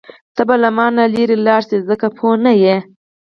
ته به له مانه لرې لاړه شې ځکه پوه نه وې.